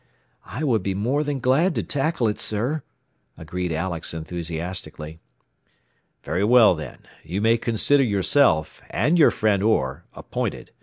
"I would be more than glad to tackle it, sir," agreed Alex enthusiastically. "Very well then. You may consider yourself, and your friend Orr, appointed.